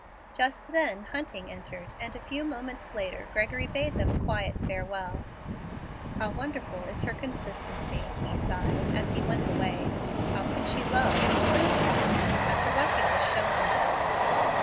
Just then Hunting entered, and a few moments later Gregory bade them a quiet farewell. "How wonderful is her constancy!" he sighed as he went away. "How can she love and cling to that man after what he has shown himself!"